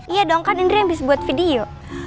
iya dong kan indra yang bisa buat video